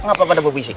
gapapa ada bobi sih